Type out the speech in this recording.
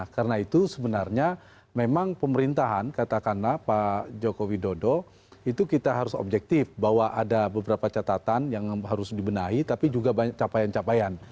karena itu sebenarnya memang pemerintahan katakanlah pak jokowi dodo itu kita harus objektif bahwa ada beberapa catatan yang harus dibenahi tapi juga banyak capaian capaian